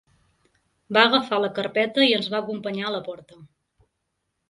Va agafar la carpeta i ens va acompanyar a la porta.